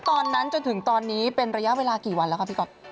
ตอนนั้นจนถึงตอนนี้เป็นระยะเวลากี่วันแล้วครับพี่กอธิ์